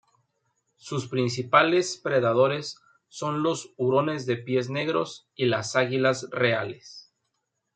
Sus principales predadores son los hurones de pies negros y las águilas reales.